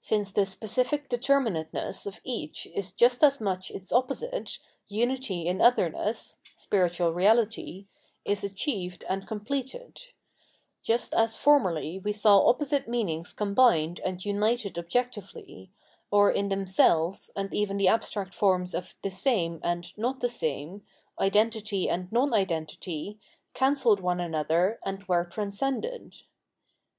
Since the specific determinateness of each is just as much its opposite, umty in otherness — spiritual reahty— is achieved and completed : just as formerly we saw opposite meanings combined and united objectively, or in themselves, and even the abstract forms of " the same " and " not the same," " identity " and " non identity " cancelled one another and were transcended.